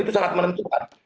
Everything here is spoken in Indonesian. itu sangat menentukan